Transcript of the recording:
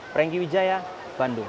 prangki wijaya bandung